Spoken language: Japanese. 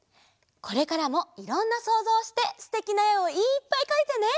これからもいろんなそうぞうをしてすてきなえをいっぱいかいてね。